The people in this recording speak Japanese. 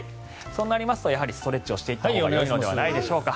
そうなりますとやはりストレッチをしたほうがいいのではないでしょうか。